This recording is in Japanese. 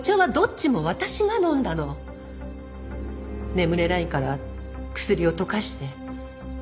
眠れないから薬を溶かして。